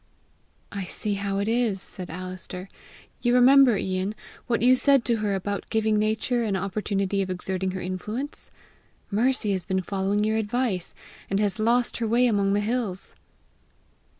"I see how it is!" said Alister. "You remember, Ian, what you said to her about giving Nature an opportunity of exerting her influence? Mercy has been following your advice, and has lost her way among the hills!"